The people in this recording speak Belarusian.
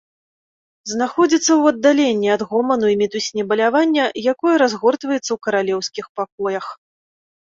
Знаходзіцца ў аддаленні ад гоману і мітусні балявання, якое разгортваецца ў каралеўскіх пакоях.